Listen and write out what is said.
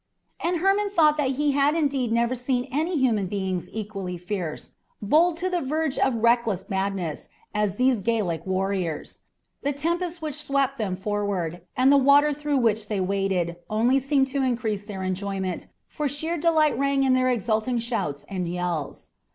And Hermon thought that he had indeed never seen any human beings equally fierce, bold to the verge of reckless madness, as these Gallic warriors. The tempest which swept them forward, and the water through which they waded, only seemed to increase their enjoyment, for sheer delight rang in their exulting shouts and yells.